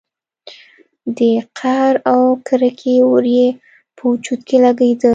د قهر او کرکې اور يې په وجود کې لګېده.